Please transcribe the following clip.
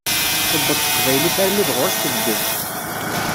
Tewweḍ teqbaylit armi d ɣur-s, tebded.